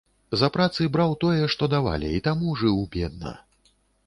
За працы браў тое, што давалі, і таму жыў бедна.